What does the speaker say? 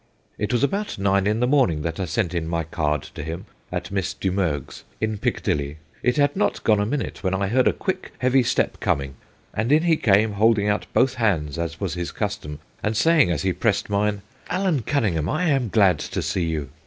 ' It was about nine in the morning that I sent in my card to him at Miss Dumergue's, in Piccadilly. It had not been gone a minute, when I heard a quick, heavy step coming, and in he came, holding out both hands, as was his custom, and say ing as he pressed mine " Allan Cunningham, 204 THE GHOSTS OF PICCADILLY I am glad to see you."